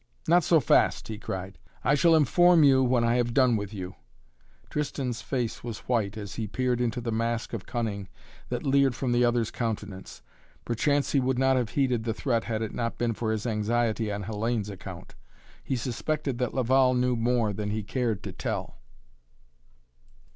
"Not so fast," he cried. "I shall inform you when I have done with you " Tristan's face was white, as he peered into the mask of cunning that leered from the other's countenance. Perchance he would not have heeded the threat had it not been for his anxiety on Hellayne's account. He suspected that Laval knew more than he cared to tell.